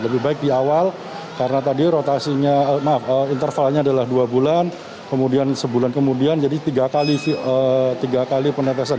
lebih baik di awal karena tadi rotasinya maaf intervalnya adalah dua bulan kemudian sebulan kemudian jadi tiga kali penetesan